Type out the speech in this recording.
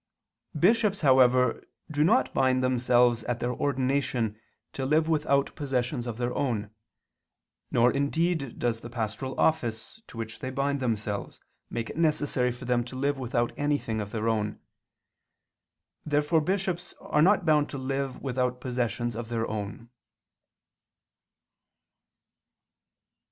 Bishops, however, do not bind themselves at their ordination to live without possessions of their own; nor indeed does the pastoral office, to which they bind themselves, make it necessary for them to live without anything of their own. Therefore bishops are not bound to live without possessions of their own.